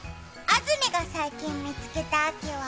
あずみが最近、見つけた秋は？